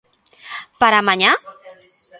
¿Para mañá?